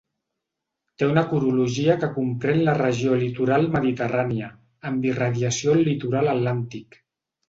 Té una corologia que comprèn la regió litoral mediterrània, amb irradiació al litoral atlàntic.